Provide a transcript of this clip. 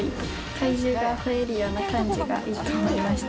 怪獣がほえるような感じがいいと思いました。